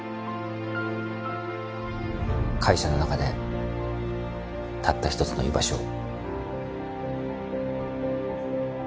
会社の中でたった一つの居場所を。